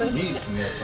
いいですね